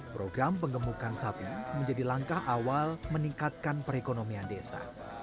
program pengemukan sapi menjadi langkah awal meningkatkan perekonomian desa